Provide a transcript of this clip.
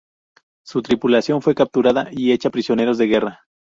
Su tripulación fue capturada y hecha prisioneros de guerra.